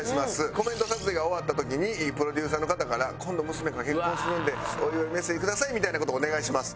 コメント撮影が終わった時にプロデューサーの方から「今度娘が結婚するんでお祝いメッセージください」みたいな事をお願いします。